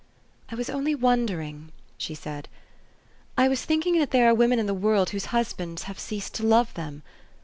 " I was only wondering," she said. " I was thinking that there are women in the world whose husbands have ceased to love them.